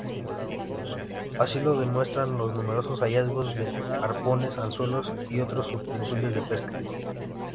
Así lo demuestran los numerosos hallazgos de arpones, anzuelos y otros utensilios de pesca.